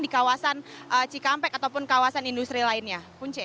di kawasan cikampek ataupun kawasan industri lainnya punce